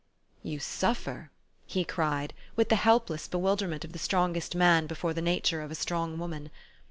" You suffer !" he cried, with the helpless bewil derment of the strongest man before the nature of a strong woman.